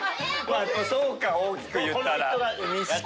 そうか大きく言ったら。